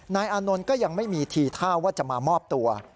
อานนท์ก็ยังไม่มีทีท่าว่าจะมามอบตัว